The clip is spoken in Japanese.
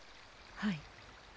はい。